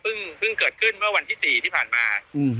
เพิ่งเกิดขึ้นเมื่อวันที่๔ที่ผ่านมา